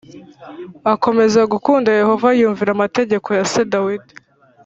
akomeza gukunda Yehova yumvira amategeko ya se Dawidi